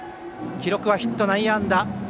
記録はヒット、内野安打。